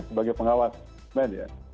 sebagai pengawas kan ya